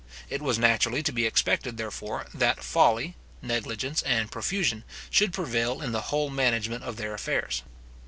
It was naturally to be expected, therefore, that folly, negligence, and profusion, should prevail in the whole management of their affairs.